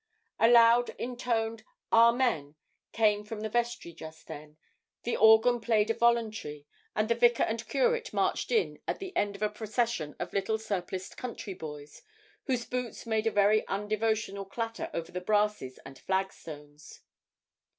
A loud intoned 'Amen' came from the vestry just then, the organ played a voluntary, and the vicar and curate marched in at the end of a procession of little surpliced country boys, whose boots made a very undevotional clatter over the brasses and flagstones.